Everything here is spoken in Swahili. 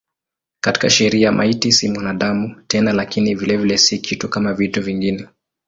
Katika sheria maiti si mwanadamu tena lakini vilevile si kitu kama vitu vingine.